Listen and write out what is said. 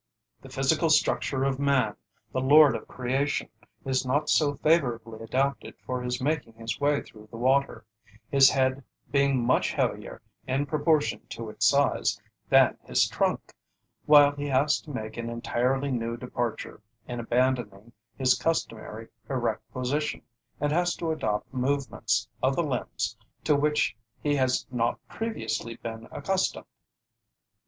The physical structure of man, the lord of creation, is not so favorably adapted for his making his way through the water, his head being much heavier in proportion to its size than his trunk, while he has to make an entirely new departure, in abandoning his customary erect position, and has to adopt movements of the limbs to which he has not previously been accustomed.